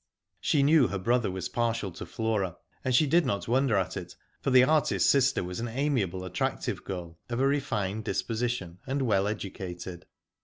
She knew her brother was partial to Flora, and she did not wonder at it, for the artist's sister was an amiable, attractive girl, of a refined disposition and well educated.